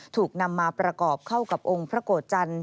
ถูกนำมาประกอบเข้ากับองค์พระโกรธจันทร์